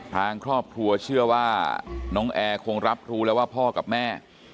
ทางครอบครัวเชื่อว่าน้องแอร์คงรับรู้แล้วว่าพ่อกับแม่